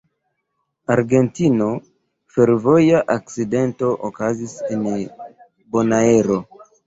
Argentino: Fervoja akcidento okazis en Bonaero.